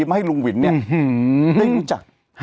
มาให้ลุงวินได้รู้จัก